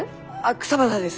草花です。